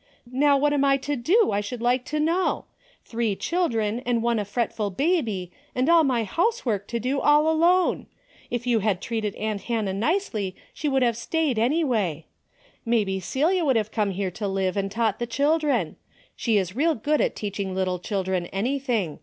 How what am I to do I should like to know ? Three children, and one a fretful baby, and all my housework to do all alone. If you had treated aunt Hannah nicely, she would have stayed anyway. Maybe Celia would have come here to live and taught the children. She is real good at teaching little children anything.